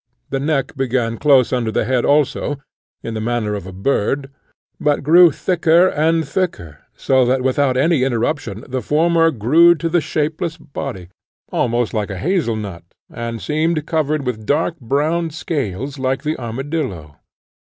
The neck began close under the head also, in the manner of a bird, but grew thicker and thicker, so that without any interruption the former grew to a shapeless body, almost like a hazelnut, and seemed covered with dark brown scales like the armadillo.